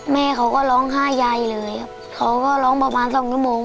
แม่เขาก็ร้องไห้ใยเลยครับเขาก็ร้องประมาณสองชั่วโมง